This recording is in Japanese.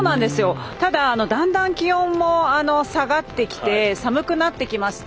ただ、だんだん気温も下がってきて寒くなってきまして。